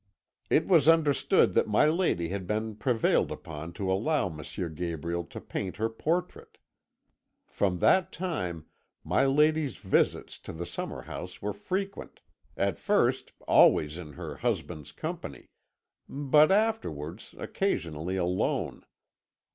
It was understood that my lady had been prevailed upon to allow M. Gabriel to paint her portrait. From that time my lady's visits to the summer house were frequent, at first always in her husband's company, but afterwards occasionally alone.